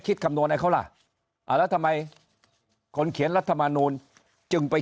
คิดกำโนไหนเขาล่ะอาจและทำไมคนเขียนรัฐธรรมนุนจึงไป